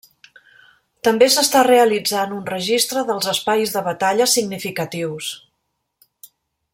També s'està realitzant un registre dels espais de batalla significatius.